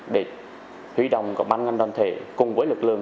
để hủy đồng các ban ngân đoàn thể cùng với lực lượng